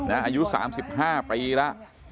อายุ๓๕ปีละ